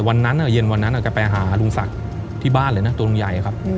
วันนั้นเย็นวันนั้นแกไปหาลุงศักดิ์ที่บ้านเลยนะตัวลุงใหญ่ครับ